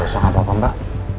gak usah gak apa apa mbak